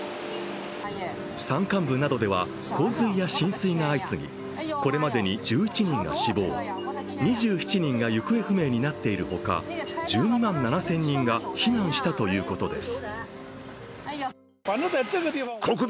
山間部などでは洪水や浸水が相次ぎ、これまでに１１人が死亡、２７人が行方不明になっているほか１２万７０００人が避難したということです。